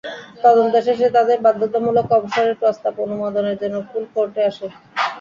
তদন্ত শেষে তাঁদের বাধ্যতামূলক অবসরের প্রস্তাব অনুমোদনের জন্য ফুল কোর্টে আসে।